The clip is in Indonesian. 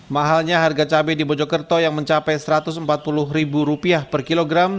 mahalnya harga cabai di bojokerto yang mencapai satu ratus empat puluh ribu rupiah per kilogram